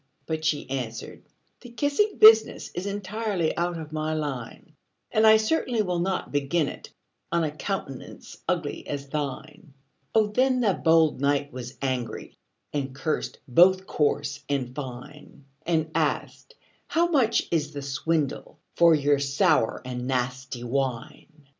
But she answered, "The kissing business Is entirely out of my line; And I certainly will not begin it On a countenance ugly as thine!" Oh, then the bold knight was angry, And cursed both coarse and fine; And asked, "How much is the swindle For your sour and nasty wine?"